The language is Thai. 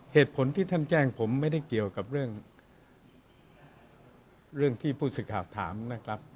เหตุผลที่ท่านแจ้งผมไม่ได้เกี่ยวกับเรื่องที่ผู้สื่อข่าวถามนะครับ